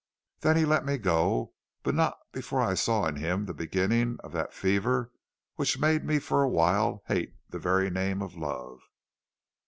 Then he let me go, but not before I saw in him the beginning of that fever which made me for a while hate the very name of love.